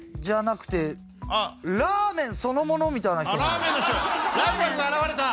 ラーメンの人がライバルが現れた！